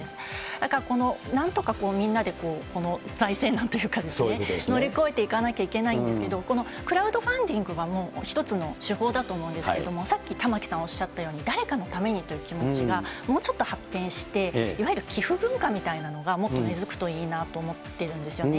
だからこの、なんとかみんなでこの財政難というか、乗り越えていかなきゃいけないんですけど、クラウドファンディングはもう一つの手法だと思うんですけれども、さっき玉城さんおっしゃったように、誰かのためにという気持ちがもうちょっと発展して、いわゆる寄付文化みたいなのが、もっと根づくといいなと思ってるんですよね。